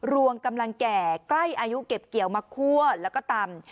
วงกำลังแก่ใกล้อายุเก็บเกี่ยวมาคั่วแล้วก็ตำ